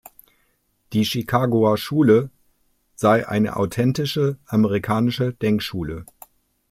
Die Chicagoer Schule sei eine authentische amerikanische Denkschule.